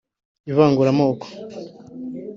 ivanguramoko